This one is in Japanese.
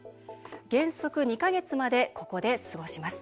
原則２か月までここで過ごします。